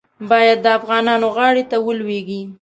باید د افغانانو غاړې ته ولوېږي.